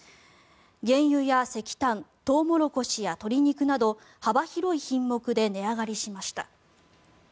原油や石炭トウモロコシや鶏肉など幅広い品目で値上がりしました。